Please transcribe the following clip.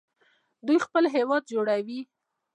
دوی خپل هیواد جوړوي.